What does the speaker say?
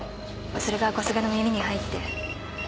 それが小菅の耳に入って。